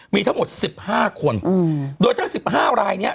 มีทั้งหมด๑๕คนโดยทั้ง๑๕ราย